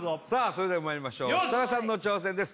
それではまいりましょう設楽さんの挑戦です